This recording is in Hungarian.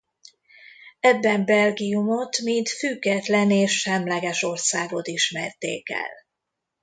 Ebben Belgiumot mint független és semleges országot ismerték el.